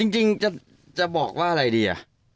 จริงจะบอกว่าอะไรดี